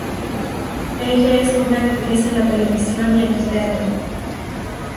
Ella es una actriz en la televisión y en el teatro.